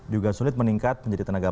juga sulit meningkat menjadi tenaga